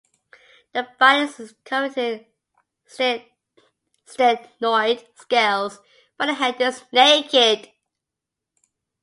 The body is covered in ctenoid scales but the head is naked.